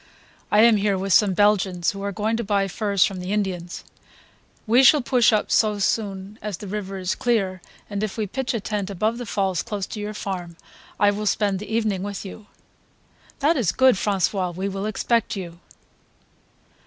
I am here with some Belgians who are going to buy furs from the Indians; we shall push up so soon as the river is clear, and if we pitch a tent above the falls close to your farm I will spend the evening with you." "That is good, François, we will expect you."